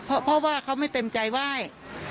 เพราะว่าเขาไม่เต็มใจไหว้